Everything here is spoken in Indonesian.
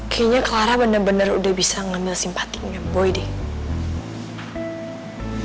kayaknya clara bener bener udah bisa ngambil simpati dengan boy deh